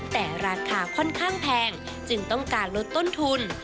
แต่ราคาค่อนข้างแพงจึงต้องการลดต้นทุน